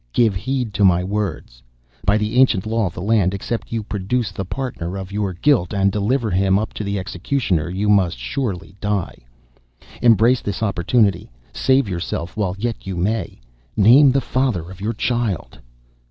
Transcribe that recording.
Give heed to my words. By the ancient law of the land, except you produce the partner of your guilt and deliver him up to the executioner, you must surely die. Embrace this opportunity save yourself while yet you may. Name the father of your child!"